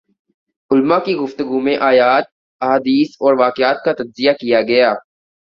علماء کی گفتگو میں آیات ، احادیث اور واقعات کا تجزیہ کیا گیا